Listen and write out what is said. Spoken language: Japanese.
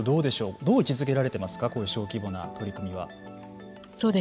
どう位置づけられてますかこの小規模な取り組みは。